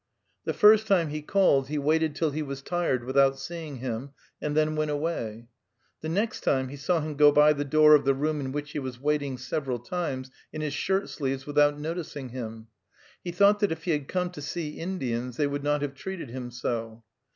The first time he called he waited till he was tired without seeing him, and then went away. The next time, he saw him go by the door of the room in which he was waiting several times, in his shirt sleeves, without noticing him. He thought that if he had come to see Indians, they would not have treated him so.